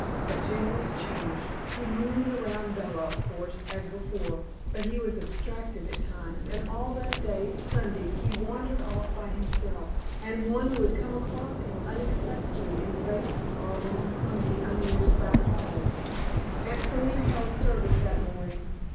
But Jim was changed; he mooned around Bella, of course, as before, but he was abstracted at times, and all that day Sunday he wandered off by himself, and one would come across him unexpectedly in the basement or along some of the unused back halls. Aunt Selina held service that morning.